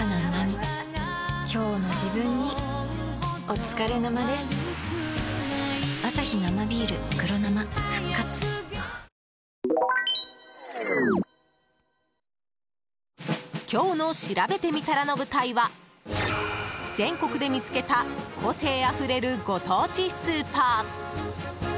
厳しい暑さが続きますので屋外では今日のしらべてみたらの舞台は全国で見つけた個性あふれるご当地スーパー。